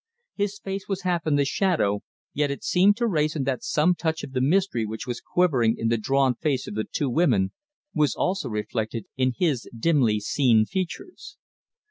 His face was half in the shadow, yet it seemed to Wrayson that some touch of the mystery which was quivering in the drawn face of the two women was also reflected in his dimly seen features.